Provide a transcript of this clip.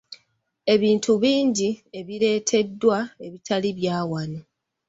Ebintu bingi ebireeteddwa ebitali bya wano.